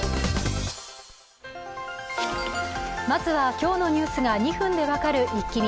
まずは、今日のニュースが２分で分かるイッキ見。